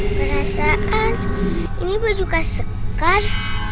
perasaan ini berduka sekar